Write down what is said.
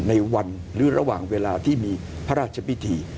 ในวันหรือระหว่างเวลาที่มีพระราชพิธี